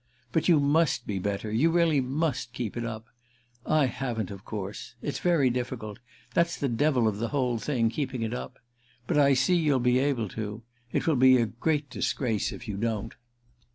But you must be better—you really must keep it up. I haven't of course. It's very difficult—that's the devil of the whole thing, keeping it up. But I see you'll be able to. It will be a great disgrace if you don't."